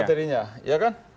kita lihat nih materinya